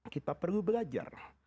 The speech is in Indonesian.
kita perlu belajar